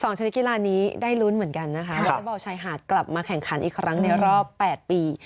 ชนิดกีฬานี้ได้ลุ้นเหมือนกันนะคะวอเล็กบอลชายหาดกลับมาแข่งขันอีกครั้งในรอบแปดปี